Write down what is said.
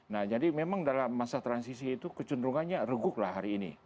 nah jadi memang dalam masa transisi itu kecenderungannya reguk lah hari ini